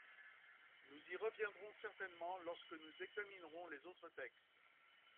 Nous y reviendrons certainement lorsque nous examinerons les autres textes.